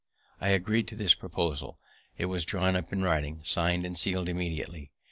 I agreed to this proposal: it was drawn up in writing, sign'd, and seal'd immediately.